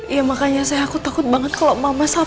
ya makanya sayang aku takut banget kalau mama salah